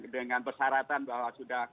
dengan persyaratan bahwa